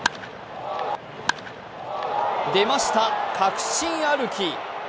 出ました、確信歩き。